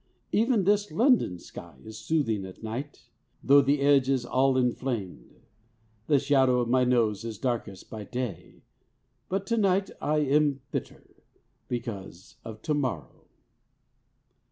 Even this London sky is soothing at night, though the edge is all inflamed. The shadow of my nose is darkest by day. But to night I am bitter, because of to morrow."